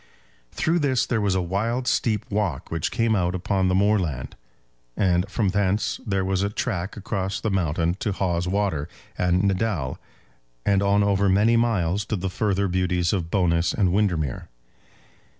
Through this there was a wild steep walk which came out upon the moorland, and from thence there was a track across the mountain to Hawes Water and Naddale, and on over many miles to the further beauties of Bowness and Windermere.